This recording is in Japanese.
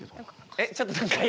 えっちょっと何か今？